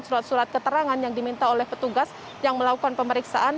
surat surat keterangan yang diminta oleh petugas yang melakukan pemeriksaan